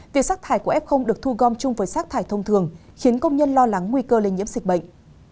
việc rác thải của f được thu gom chung với rác thải thông thường khiến công nhân lo lắng nguy cơ lây nhiễm dịch bệnh